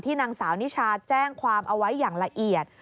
นางสาวนิชาแจ้งความเอาไว้อย่างละเอียด